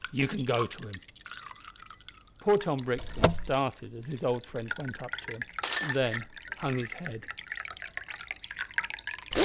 You can go to him." Poor Tom Brixton started as his old friend went up to him, and then hung his head.